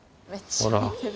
ほら。